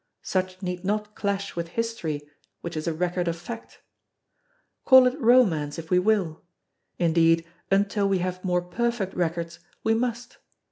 Such need not clash with history which is a record of fact. Call it romance if we will; indeed until we have more perfect records we must.